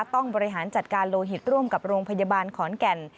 ต้องบริหารจัดการโลหิตร่วมกับโรงพยาบาลขอนแก่น